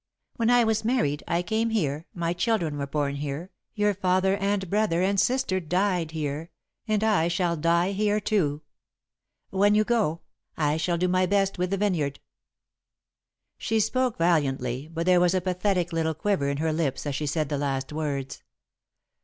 When I was married, I came here, my children were born here, your father and brother and sister died here, and I shall die here too. When you go, I shall do my best with the vineyard." She spoke valiantly, but there was a pathetic little quiver in her lips as she said the last words.